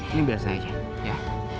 ini biasa aja